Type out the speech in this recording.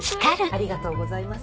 ありがとうございます。